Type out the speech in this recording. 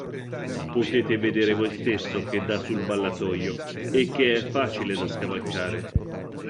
Potete vedere voi stesso che dà sul ballatoio e che è facile da scavalcare.